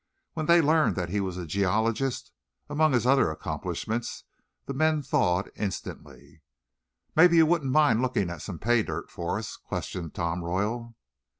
When they learned that he was a geologist, among his other accomplishments, the men thawed instantly. "Maybe you wouldn't mind looking at some pay dirt for us?" questioned Tom Royal.